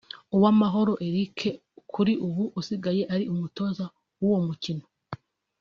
Uwamahoro Eric kuri ubu usigaye ari umutoza w’uwo mukino